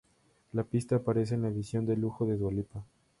La pista aparece en la edición de lujo de "Dua Lipa".